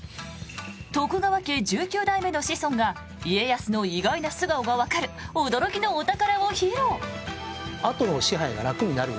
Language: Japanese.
徳川家１９代目の子孫が家康の意外な素顔がわかる驚きのお宝を披露。